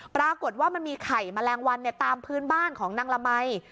ปรากฏว่ามันมีไข่แมลงวันตามพื้นบ้านของนางละมัย